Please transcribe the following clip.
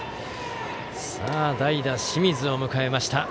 さあ代打、清水を迎えました。